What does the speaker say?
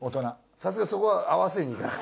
さすがにそこは合わせにいかない。